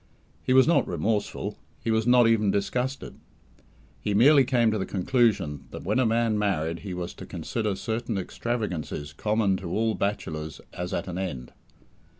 He was not remorseful, he was not even disgusted. He merely came to the conclusion that, when a man married, he was to consider certain extravagances common to all bachelors as at an end.